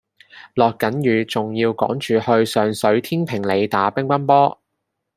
落緊雨仲要趕住去上水天平里打乒乓波